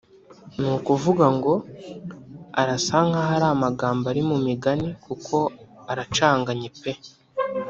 nukuvuga ngo arasa nkaho ari amagambo ari mu migani kuko aracanganye pe